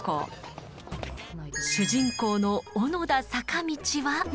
主人公の小野田坂道は。